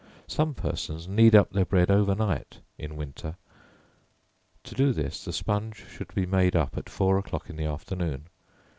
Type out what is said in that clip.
Some persons knead up their bread over night in winter, to do this, the sponge should be made up at four o'clock in the afternoon.